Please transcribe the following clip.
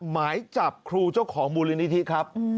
หมายจับครูเจ้าของมูลนิธิครับ